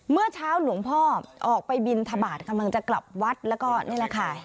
เมื่อเช้าหลวงพ่อออกไปบินทบาทกำลังจะกลับวัดแล้วก็นี่แหละค่ะ